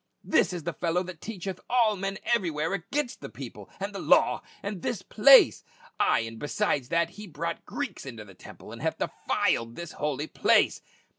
This is the fellow that teacheth all men everywhere against the people, and the law, and this place ! Ay, and besides that, he brought Greeks into the temple, and hath defiled this holy place